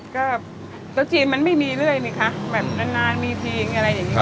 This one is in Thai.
ก็โต๊ะจีนมันไม่มีเรื่อยนี่คะแบบนานมีทีมอะไรอย่างนี้